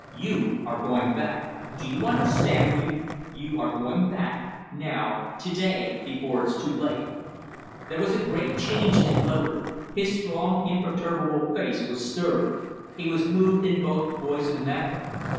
You are going back. Do you understand me? You are going back now, to day, before it's too late." There was a great change in Loder; his strong, imperturbable face was stirred; he was moved in both voice and manner.